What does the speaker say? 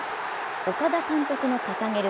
岡田監督の掲げる